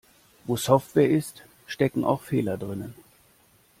Wo Software ist, stecken auch Fehler drinnen.